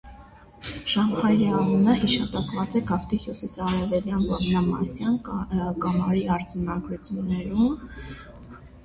Ժամհայրի անունը հիշատակված է գավթի հյուսիսարևելյան որմնասյան կամարի արձանագրությունում։